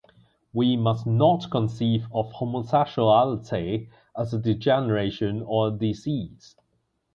We must not conceive of homosexuality as a degeneration or a disease.